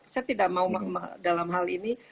saya tidak mau dalam hal ini